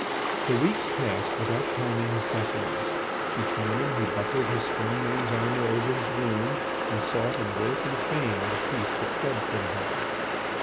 The weeks passed without calming his sufferings. Each morning he buckled his strong man's armour over his wound and sought in work and fame the peace that fled from him.